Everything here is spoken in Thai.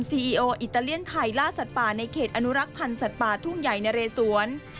อีโออิตาเลียนไทยล่าสัตว์ป่าในเขตอนุรักษ์พันธ์สัตว์ป่าทุ่งใหญ่นะเรสวน